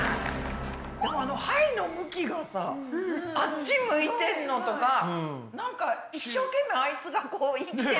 でもあの胚の向きがさあっち向いてんのとかなんか一生懸命あいつがこう生きてる感じ。